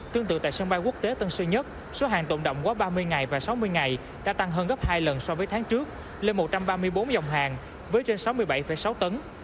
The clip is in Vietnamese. tương tự tại sân bay quốc tế tân sơn nhất số hàng tồn động quá ba mươi ngày và sáu mươi ngày đã tăng hơn gấp hai lần so với tháng trước lên một trăm ba mươi bốn dòng hàng với trên sáu mươi bảy sáu tấn